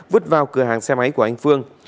vứt vào cửa hàng xe máy của anh phương